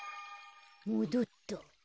もどった。